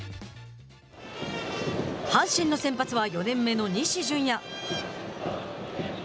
阪神の先発は４年目の西純矢。